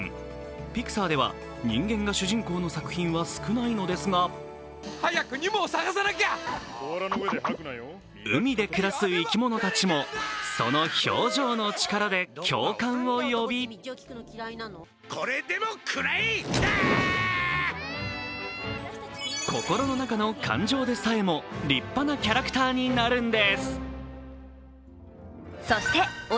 ピクサーでは、人間が主人公の作品は少ないのですが、海で暮らす生き物たちもその表情の力で共感を呼び心の中の感情でさえも立派なキャラクターになるんです。